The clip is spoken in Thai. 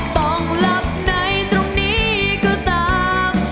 ต้องหลับในตรงนี้ก็ตาม